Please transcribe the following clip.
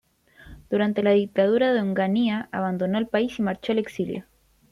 Durante la dictadura de Onganía abandonó el país y marchó al exilio.